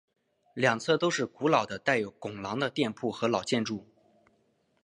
两侧都是古老的带有拱廊的店铺和老建筑。